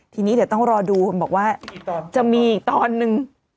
ทีนี้เดี๋ยวต้องรอดูคุณบอกว่าจะมีอีกตอนนึง